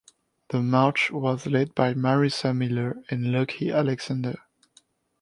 The March was led by Marissa Miller and Luckie Alexander.